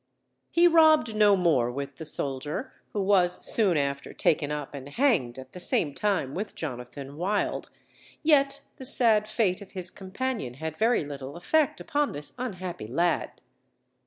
He robbed no more with the soldier, who was soon after taken up and hanged at the same time with Jonathan Wild, yet the sad fate of his companion had very little effect upon this unhappy lad.